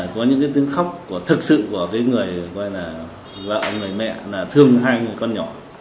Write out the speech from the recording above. có những tiếng khóc thực sự của người vợ người mẹ thương hai người con nhỏ